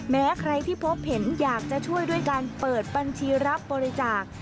แม้ใครที่พบเห็นอยากจะช่วยด้วยการเปิดบัญชีรับบริจาค